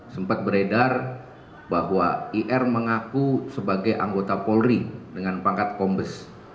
sempat beredar bahwa ir mengaku sebagai anggota polri dengan pangkat kombes